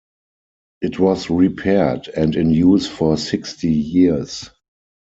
It was repaired and in use for sixty years.